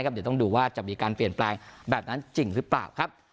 เดี๋ยวต้องดูว่าจะมีการเปลี่ยนแปลงแบบนั้นจริงหรือเปล่าครับ